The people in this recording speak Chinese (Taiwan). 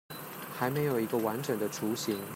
還沒有一個完整的雛型